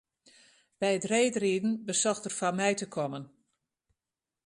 By it reedriden besocht er foar my te kommen.